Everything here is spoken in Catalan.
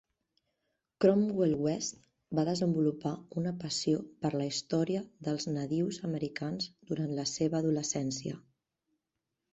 Cromwell West va desenvolupar una passió per la història dels nadius americans durant la seva adolescència.